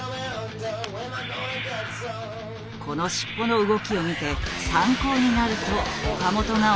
この尻尾の動きを見て参考になると岡本が思いついた。